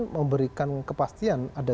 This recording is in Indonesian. memberikan kepastian ada